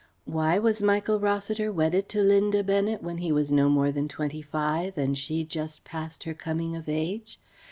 Why was Michael Rossiter wedded to Linda Bennet when he was no more than twenty five, and she just past her coming of age?